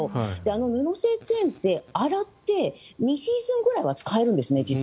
布製チェーンって、洗って２シーズンくらいは実は使えるんですね。